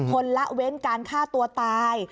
ละเว้นการฆ่าตัวตาย